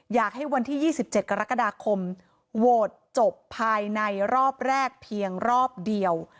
อยากให้วันที่๒๗กรกฎาคมโหวตจบภายในรอบแรกเพียงรอบเดียว